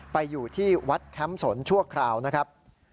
อยู่ที่วัดแคมป์สนชั่วคราวนะครับ